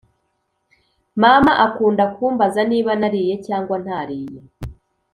mama akunda kumbaza niba nariye cyangwa ntariye